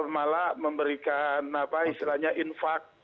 malah memberikan apa istilahnya infak